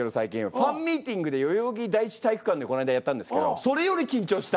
ファンミ―ティングで代々木第一体育館でこないだやったんですけどそれより緊張した。